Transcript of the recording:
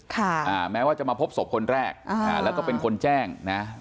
อ่าแม้ว่าจะมาพบศพคนแรกอ่าแล้วก็เป็นคนแจ้งนะ